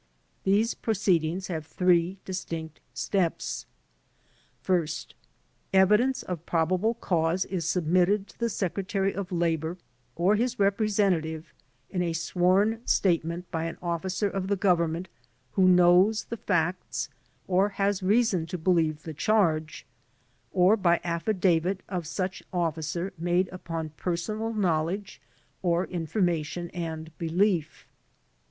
These proceedings have three distinct steps : First : Evidence of probable cause is submitted to the Secretary of Labor or his representative in a sworn state ment by an officer of the Government who knows the facts or has reason to believe the charge ; or by affidavit of such officer made upon personal knowledge or infor mation and belief.